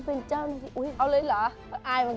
พี่ไม่มา